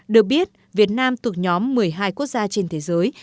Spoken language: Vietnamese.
được biết việt nam thuộc nhóm một mươi hai quốc gia trên thế giới